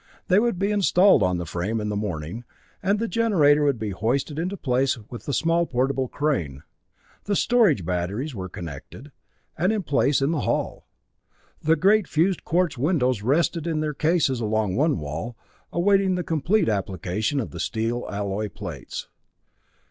They would be installed on the frame in the morning, and the generator would be hoisted into place with the small portable crane. The storage batteries were connected, and in place in the hull. The great fused quartz windows rested in their cases along one wall, awaiting the complete application of the steel alloy plates.